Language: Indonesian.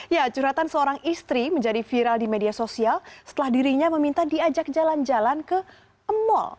ya curhatan seorang istri menjadi viral di media sosial setelah dirinya meminta diajak jalan jalan ke mal